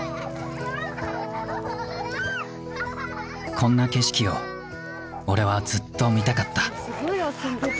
こんな景色を俺はずっと見たかった。